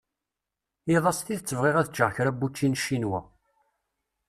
Iḍ-a s tidet bɣiɣ ad ččeɣ kra n wučči n Ccinwa.